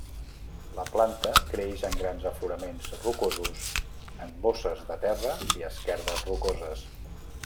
La planta creix en grans afloraments rocosos en bosses de terra i esquerdes rocoses.